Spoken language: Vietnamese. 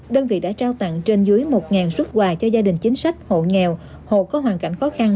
đơn vị đã trao tặng trên dưới một xuất quà cho gia đình chính sách hộ nghèo hộ có hoàn cảnh khó khăn